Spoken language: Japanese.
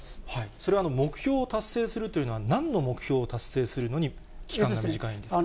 それは目標と達成するというのは、なんの目標を達成するのに期間が短いんですか？